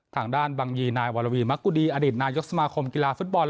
ทางด้านบังยีนายวรวีมะกุดีอดีตนายกสมาคมกีฬาฟุตบอล